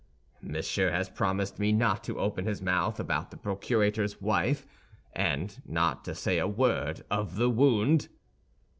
"Monsieur has promised me not to open his mouth about the procurator's wife, and not to say a word of the wound?"